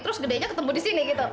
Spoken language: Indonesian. terus gedenya ketemu di sini gitu